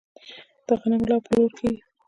د غنمو لو په لور کیږي.